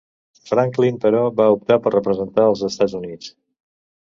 Franklin, però, va optar per representar els Estats Units.